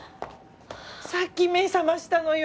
さっき目覚ましたのよ。